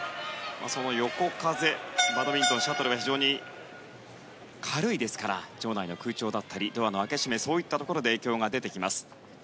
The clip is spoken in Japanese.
その横風、バドミントンのシャトルは非常に軽いですから場内の空調だったりドアの開け閉めそういったところで影響が出てきます。